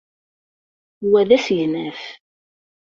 Wa d asegnaf.